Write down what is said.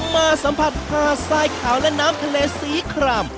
มาสัมผัสผ่าทรายขาวและน้ำทะเลสีคราม